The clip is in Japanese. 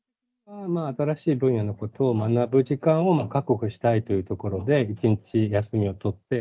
新しい分野のことを学ぶ時間を確保したいというところで、１日休みを取って。